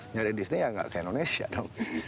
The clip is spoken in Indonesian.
nyari disney ya ya nggak kayak indonesia dong